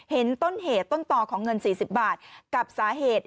เห็นต้นเหตุต้นต่อของเงิน๔๐บาทกับสาเหตุ